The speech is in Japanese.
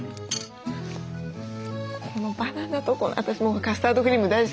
このバナナと私もうカスタードクリーム大好きなんですけど。